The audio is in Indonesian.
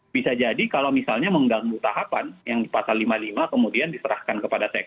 bisa jadi kalau misalnya mengganggu tahapan yang di pasal lima puluh lima kemudian diserahkan kepada sekjen